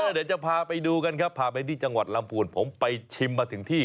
เดี๋ยวจะพาไปดูกันครับพาไปที่จังหวัดลำพูนผมไปชิมมาถึงที่